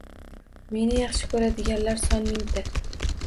Meni yaxshi ko`radiganlar son-mingta